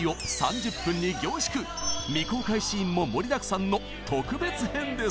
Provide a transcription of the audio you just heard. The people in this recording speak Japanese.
未公開シーンも盛りだくさんの特別編です！